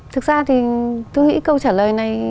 thực ra thì tôi nghĩ câu trả lời này